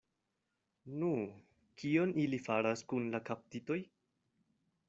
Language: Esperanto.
Nu, kion ili faras kun la kaptitoj?